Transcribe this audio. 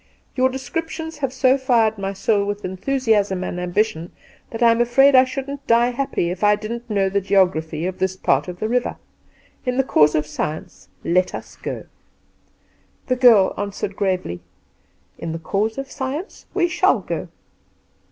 Your descriptions have so fired my soul with enthusiasm and ambiti'on that I am afraid I shouldn't die happy if I didn't know the geography of this part of the river. In the cause of science, let us go.' "The girl answered gravely : 'In the cause of science, we shall go.'